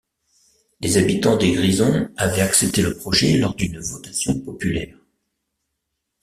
Les habitants des Grisons avaient accepté le projet lors d'une votation populaire.